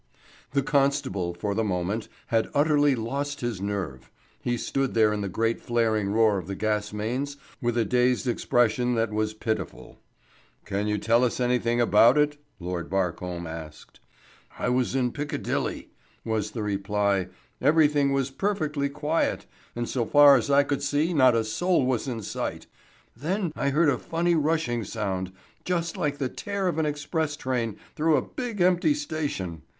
The constable, for the moment, had utterly lost his nerve. He stood there in the great flaring roar of the gas mains with a dazed expression that was pitiful. "Can you tell us anything about it?" Lord Barcombe asked. "I was in Piccadilly," was the reply. "Everything was perfectly quiet, and so far as I could see not a soul was in sight. Then I heard a funny rushing sound, just like the tear of an express train through a big, empty station.